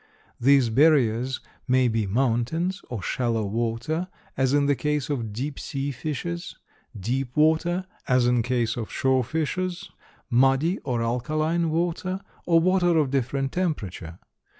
These barriers may be mountains, or shallow water, as in the case of deep sea fishes; deep water, as in case of shore fishes; muddy or alkaline water, or water of different temperature.